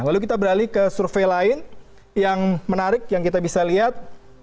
lalu kita beralih ke survei lain yang menarik yang kita bisa lihat